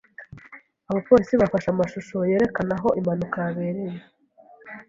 Abapolisi bafashe amashusho yerekana aho impanuka yabereye.